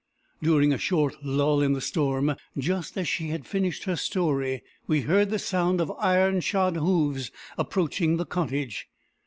During a short lull in the storm, just as she had finished her story, we heard the sound of iron shod hoofs approaching the cottage.